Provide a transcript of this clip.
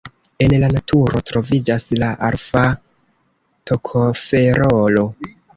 En la naturo troviĝas la alfa-tokoferolo.